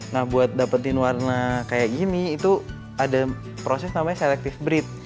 nah buat dapetin warna kayak gini itu ada proses namanya selective breed